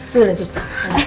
tidak ada suster